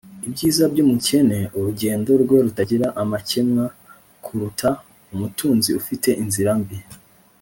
ibyiza byumukene urugendo rwe rutagira amakemwa kuruta umutunzi ufite inzira mbi